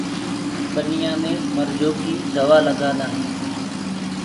ٻنيآ مي مرجو ڪيٚ دوآ لگآندآ هينٚ۔